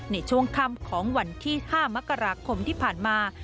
ในช่วงค่ำของวันที่๕มกราคมที่ผ่านมา